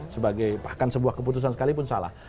sebagai bahkan sebuah keputusan sekali pun salah